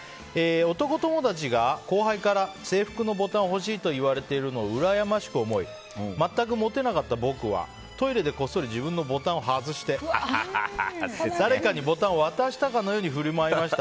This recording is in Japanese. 男友達が後輩から制服のボタン欲しいと言われているのをうらやましく思い全くモテなかった僕はトイレでこっそり自分のボタンを外して誰かにボタンを渡したかのように振る舞いました。